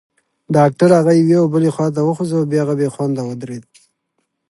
ډاکټر هغه یوې او بلې خواته وخوځاوه، بیا بېخونده ودرېد.